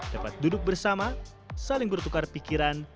dapat duduk bersama saling bertukar pikiran